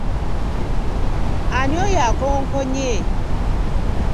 Ani oyo akonkonye?